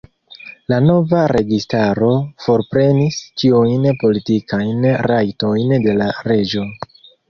La nova registaro forprenis ĉiujn politikajn rajtojn de la reĝo.